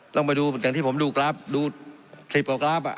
ต้องไปดูอย่างที่ผมดูกราฟดูคลิปกว่ากราฟอ่ะ